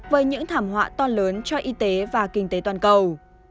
với những thảm họa to lớn cho y tế và kinh tế toàn cầu